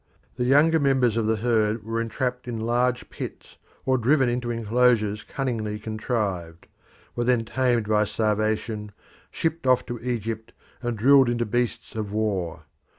The younger members of the herd were entrapped in large pits, or driven into enclosures cunningly contrived; were then tamed by starvation, shipped off to Egypt, and drilled into beasts of war.